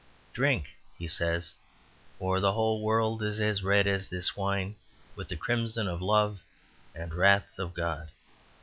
"Drink" he says "for the whole world is as red as this wine, with the crimson of the love and wrath of God.